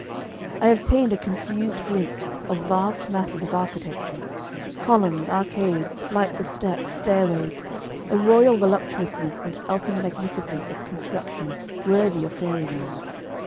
I obtained a confused glimpse of vast masses of architecture columns, arcades, flights of steps, stairways a royal voluptuousness and elfin magnificence of construction worthy of fairyland.